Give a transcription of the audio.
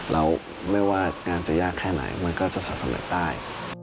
แล้วไม่ว่างานจะยากแค่ไหนมันก็จะสะสำเร็จได้